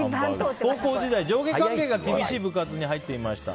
高校時代、上下関係が厳しい部活に入っていました。